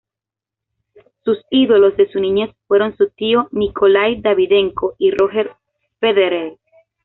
Sus ídolos de su niñez fueron su tío, Nikolái Davydenko y Roger Federer.